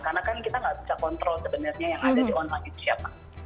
karena kan kita nggak bisa kontrol sebenarnya yang ada di online itu siapa